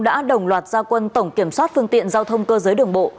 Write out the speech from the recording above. đã đồng loạt gia quân tổng kiểm soát phương tiện giao thông cơ giới đường bộ